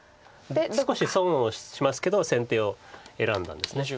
少し損をしますけど先手を選んだんです。